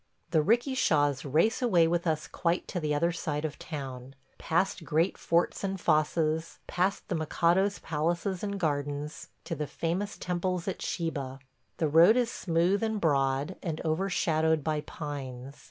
... The 'rikishas race away with us quite to the other side of town – past great forts and fosses, past the mikado's palaces and gardens, to the famous temples at Shiba. The road is smooth and broad and overshadowed by pines.